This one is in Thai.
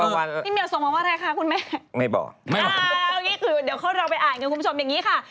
ไม่เป็นไรคุณแม่เดี๋ยวคุณแม่ไปพักผ่อนนะ